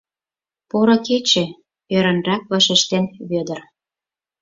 — Поро кече, — ӧрынрак вашештен Вӧдыр.